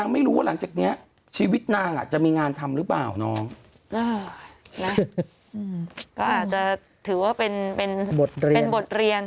เมื่อแล้วจะติดถือว่าเป็นเป็นบทเรียน